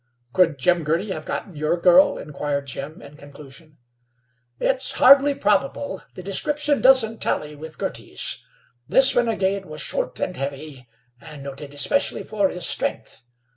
"Could Jim Girty have gotten your girl?" inquired Jim, in conclusion. "It's fairly probable. The description doesn't tally with Girty's. This renegade was short and heavy, and noted especially for his strength.